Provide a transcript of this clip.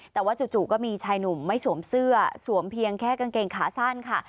แต่ว่าจู่ก็มีชายหนุ่มไม่สวมเสื้อสวมเพียงแค่กางเกงขาสั้นค่ะ